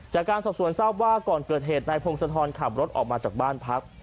จากการสอบสวนทราบว่าก่อนเกิดเหตุนายพงศธรขับรถออกมาจากบ้านพัก